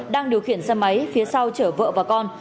đang điều khiển xe máy phía sau chở vợ và con